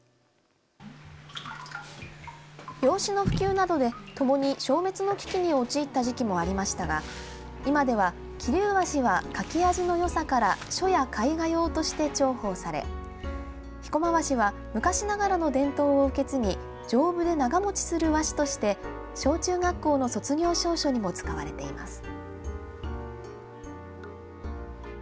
洋紙の普及などで、ともに消滅の危機に陥った時期もありましたが今では、桐生和紙は書き味のよさから書や絵画用として重宝され飛駒和紙は昔ながらの伝統を受け継ぎ丈夫で長持ちする和紙として小中学校の卒業証書にも使われています。